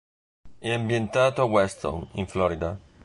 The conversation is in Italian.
È ambientato a Weston, in Florida.